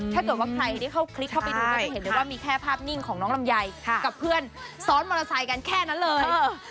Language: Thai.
ถ้าเกิดว่าใครได้เข้าคลิปเข้าไปดูก็จะเห็นเลยว่ามีแค่ภาพนิ่งของน้องลำไยกับเพื่อนซ้อนมอเตอร์ไซค์กันแค่นั้นเลย